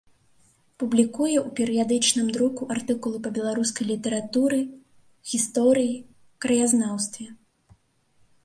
Публікуе ў перыядычным друку артыкулы па беларускай літаратуры, гісторыі, краязнаўстве.